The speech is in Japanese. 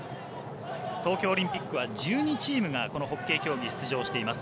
東京オリンピックは１２チームがこのホッケー競技に出場しています。